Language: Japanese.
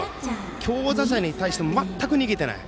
強打者に対して全く逃げてない。